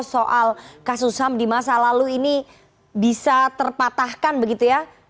soal kasus ham di masa lalu ini bisa terpatahkan begitu ya